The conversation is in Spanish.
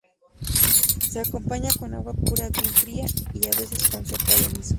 Se acompaña con agua pura bien fría y a veces con sopa de miso.